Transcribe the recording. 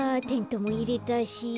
テントもいれたし。